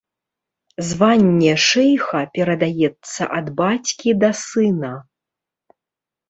Званне шэйха перадаецца ад бацькі да сына.